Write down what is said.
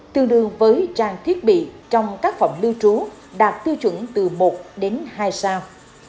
tương đương với trang thiết bị trong các phòng lưu trú đạt tiêu chuẩn từ một đến hai sao